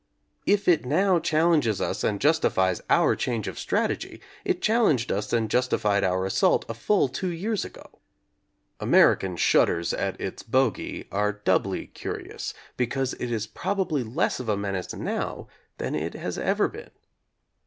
If it now challenges us and justifies our change of strategy, it challenged us and justified our assault a full two years ago. American shudders at its bogey are doubly curious because it is probably less of a men ace now than it has ever been.